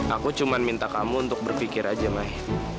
aku cuma minta kamu untuk berpikir aja may